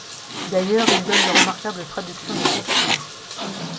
D'ailleurs il donne de remarquables traductions de Shakespeare.